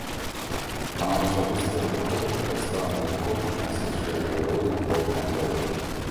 Она вышла быстрою походкой, так странно легко носившею ее довольно полное тело.